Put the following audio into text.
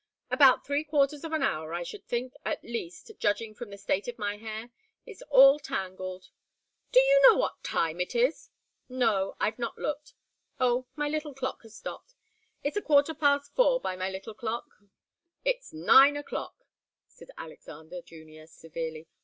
"About three quarters of an hour I should think at least judging from the state of my hair. It's all tangled." "Do you know what time it is?" "No I've not looked. Oh my little clock has stopped. It's a quarter past four by my little clock." "It's nine o'clock," said Alexander Junior, severely.